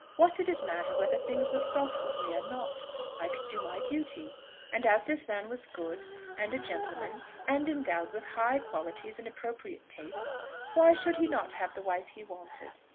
What did it matter whether things were soft to me or not? I could do my duty. And as this man was good, and a gentleman, and endowed with high qualities and appropriate tastes, why should he not have the wife he wanted?